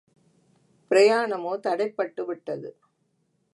பிரயாணமோ தடைப்பட்டு விட்டது.